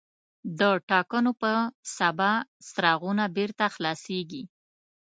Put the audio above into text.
د ټاکنو په سبا څراغونه بېرته خلاصېږي.